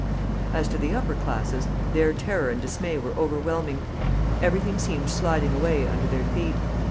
As to the upper classes, their terror and dismay were overwhelming. Everything seemed sliding away under their feet.